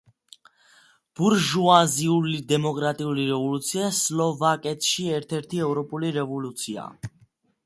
ბურჟუაზიულ-დემოკრატიული რევოლუცია სლოვაკეთში, ერთ-ერთი ევროპული რევოლუცია.